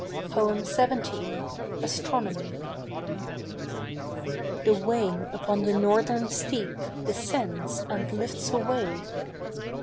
XVII. ASTRONOMY The Wain upon the northern steep Descends and lifts away.